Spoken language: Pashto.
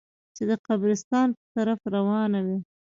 چې د قبرستان په طرف روانه وه.